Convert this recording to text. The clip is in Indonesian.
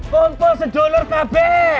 konto sedulur kb